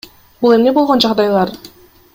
Бул эмне болгон жагдайлар?